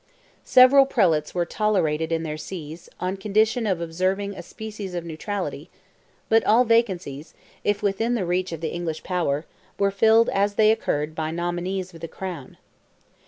Several Prelates were tolerated in their sees, on condition of observing a species of neutrality; but all vacancies, if within the reach of the English power, were filled as they occurred by nominees of the crown.